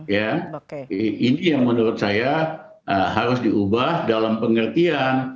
ya ini yang menurut saya harus diubah dalam pengertian